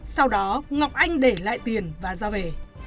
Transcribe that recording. sau đó ngọc anh để lại tiền và ra về